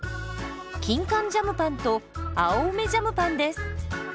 キンカンジャムパンと青梅ジャムパンです。